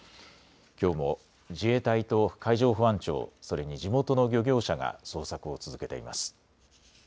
きょうも自衛隊と海上保安庁、それに地元の漁業者が捜索を続けています。